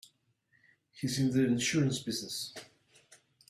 He's in the insurance business.